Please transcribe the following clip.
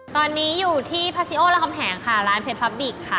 ตอนนี้อยู่ที่พาซิโอละคอมแหงค่ะร้านค่ะ